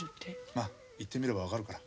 まあ行ってみれば分かるから。